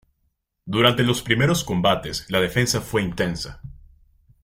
Durante los primeros combates la defensa fue intensa.